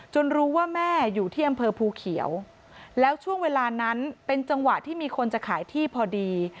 รู้ว่าแม่อยู่ที่อำเภอภูเขียวแล้วช่วงเวลานั้นเป็นจังหวะที่มีคนจะขายที่พอดี